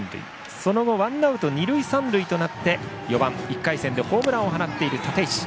その後ワンアウト二塁三塁となって４番、１回戦でホームランを放っている立石。